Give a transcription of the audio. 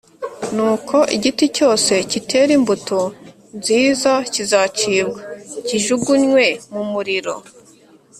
nuko igiti cyose kitera imbuto nziza kizacibwa, kijugunywe mu muriro.